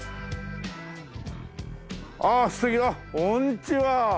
ああ素敵あっこんにちは。